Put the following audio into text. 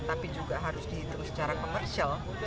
tapi juga harus dihitung secara komersial